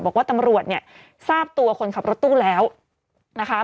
บอกว่าตำรวจเนี่ยทราบตัวคนขับรถตู้แล้วนะคะ